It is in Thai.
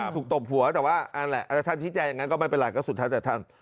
ถูกตบหัวแต่ว่าอันแหละท่านที่แจ่อย่างนั้นก็ไม่เป็นไรก็สุดท้ายแต่ท่าน